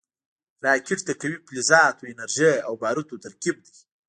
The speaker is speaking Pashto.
راکټ د قوي فلزاتو، انرژۍ او بارودو ترکیب دی